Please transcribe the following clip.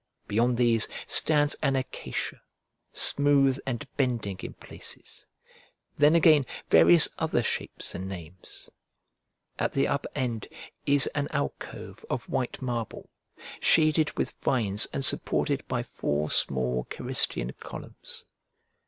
Beyond these stands an acacia, smooth and bending in places, then again various other shapes and names. At the upper end is an alcove of white marble, shaded with vines and supported by four small Carystian columns.